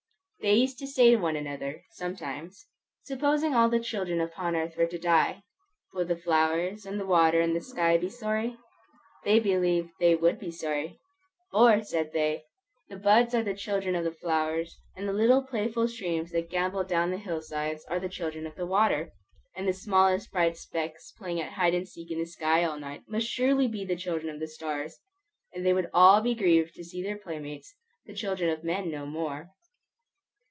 They used to say to one another, sometimes, Supposing all the children upon earth were to die, would the flowers, and the water, and the sky be sorry? They believed they would be sorry. For, said they, the buds are the children of the flowers, and the little playful streams that gambol down the hillsides are the children of the water; and the smallest bright specks playing at hide and seek in the sky all night, must surely be the children of the stars; and they would all be grieved to see their playmates, the children of men, no more.